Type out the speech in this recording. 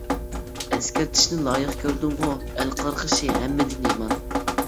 ئەسكەرتىشنى لايىق كۆردۈمغۇ، ئەل قارغىشى ھەممىدىن يامان.